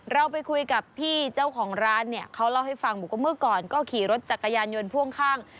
เราไปคุยกับพี่เจ้าของร้านเนี่ยเขาเล่าให้ฟังบอกว่าเมื่อก่อนก็ขี่รถจักรยานยนต์พ่วงข้าง